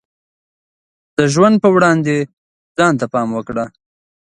د ژوند په وړاندې ځان ته پام وکړه.